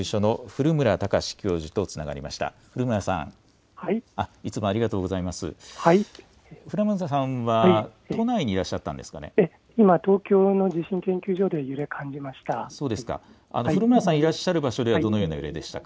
古村さんは、ええ、今、東京の地震研究所で、揺れ感じました。